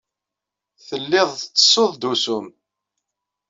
Tellid tettessud-d usu-nnem.